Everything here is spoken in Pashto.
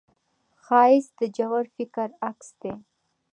ښایست د ژور فکر عکس دی